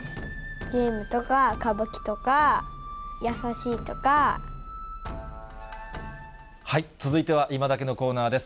ゲームとか、歌舞伎とか、続いてはいまダケッのコーナーです。